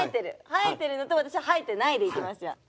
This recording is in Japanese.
生えてるのと私は生えてないでいきますじゃあ。